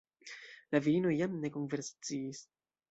La virinoj jam ne konversaciis.